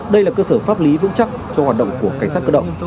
đây là cơ sở pháp lý vững chắc cho hoạt động của cảnh sát cơ động